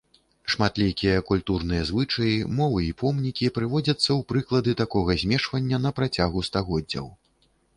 Шматлікія культурныя звычаі, мовы і помнікі прыводзяцца ў прыклады такога змешвання на працягу стагоддзяў.